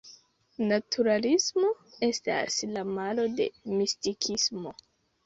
Naturalismo estas la malo de Mistikismo.